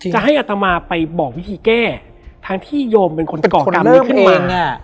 จะให้อัตมาไปบอกวิธีแก้ทั้งที่โยมเป็นคนก่อกรรมนี้ขึ้นมา